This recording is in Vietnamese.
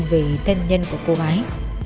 về thân nhân của cô gái